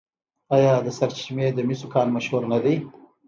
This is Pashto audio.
آیا د سرچشمې د مسو کان مشهور نه دی؟